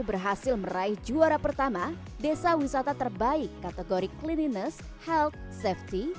berhasil meraih juara pertama desa wisata terbaik kategori cleanliness health safety